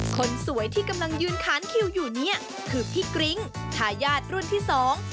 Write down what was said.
คนสวยที่กำลังยืนค้านคิวอยู่เนี้ยคือพี่กริ้งทายาทรุ่นที่สอง